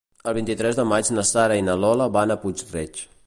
El vint-i-tres de maig na Sara i na Lola van a Puig-reig.